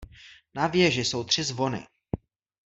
Na věži jsou tři zvony.